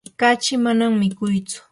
kachi manam mikuytsu.